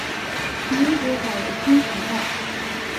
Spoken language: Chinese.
民国改为金华道。